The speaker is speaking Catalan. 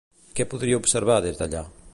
Què podria observar des d'allà?